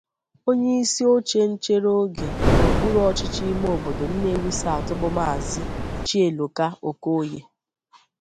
Onyeisi oche nchere oge n'okpuru ọchịchị ime obodo 'Nnewi South' bụ Maazị Chieloka Okoye